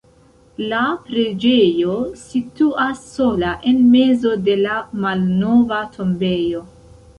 La preĝejo situas sola en mezo de la malnova tombejo.